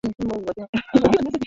Pasipo wewe singekuwepo.